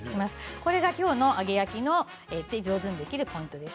これがきょうの揚げ焼きの上手にできるポイントです。